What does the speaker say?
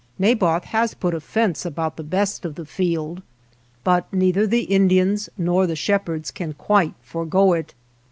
Naboth has put a fence about the best of the field, but neither the Indians nor the shepherds can quite forego it.